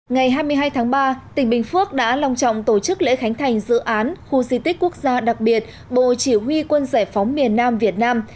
ngày hai mươi hai tháng ba tỉnh bình phước đã lòng trọng tổ chức lễ khánh thành dự án khu di tích quốc gia đặc biệt bộ chỉ huy quân giải phóng miền nam việt nam